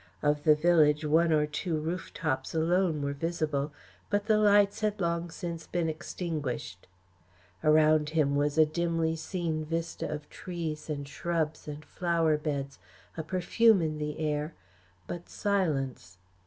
Of the village one or two roof tops alone were visible, but the lights had long since been extinguished. Around him was a dimly seen vista of trees and shrubs and flower beds, a perfume in the air but silence.